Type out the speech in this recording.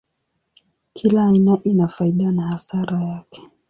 Kila aina ina faida na hasara yake.